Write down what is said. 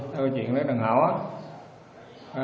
thôi chuyện đó đừng hỏi